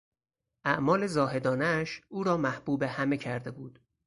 اعمال زاهدانهاش او را محبوب همه کرده بود.